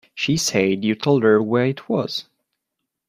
She said you told her where it was.